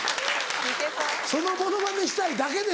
そのモノマネしたいだけでしょ？